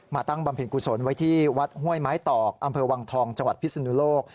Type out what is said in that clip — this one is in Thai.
ตั้งบำเพ็ญกุศลไว้ที่วัดห้วยไม้ตอกอำเภอวังทองจังหวัดพิศนุโลก